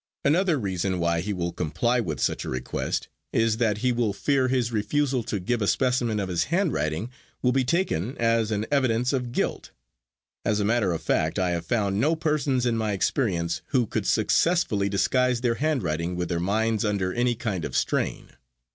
Another reason why he will comply with such a request is that he will fear his refusal to give a specimen of his handwriting will be taken as an evidence of guilt. As a matter of fact I have found no persons in my experience who could successfully disguise their handwriting with their minds under any kind of strain.